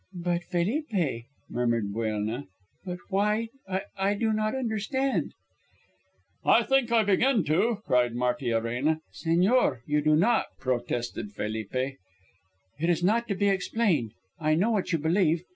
"But, Felipe," murmured Buelna. "But why I do not understand." "I think I begin to," cried Martiarena. "Señor, you do not," protested Felipe. "It is not to be explained. I know what you believe.